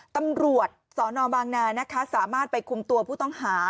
ตำรวจสนบางนานะคะสามารถไปคุมตัวผู้ต้องหา